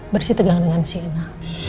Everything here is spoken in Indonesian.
bersih tegang dengan sienna